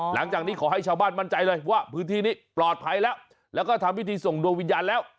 หลังจากนี้ขอให้ชาวบ้านมั่นใจเลยว่าพื้นที่นี้ปลอดภัยแล้วแล้วก็ทำพิธีส่งดวงวิญญาณแล้ว